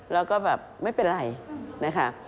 แล้วก็แบบไม่เป็นไรนะคะ